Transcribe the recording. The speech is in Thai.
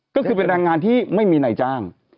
ก็คือแรงงานที่ไม่มีในจาง